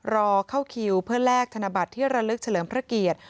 รอเข้าคิวเพื่อแลกธนบัตรที่ระลึกเฉลิมพระเกียรติ